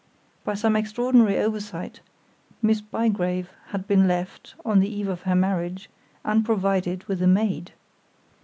By some extraordinary oversight, Miss Bygrave had been left, on the eve of her marriage, unprovided with a maid.